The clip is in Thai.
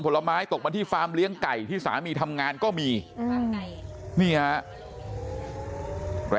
พวกมันกลับมาเมื่อเวลาที่สุดพวกมันกลับมาเมื่อเวลาที่สุด